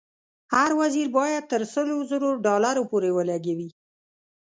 هر وزیر باید تر سلو زرو ډالرو پورې ولګوي.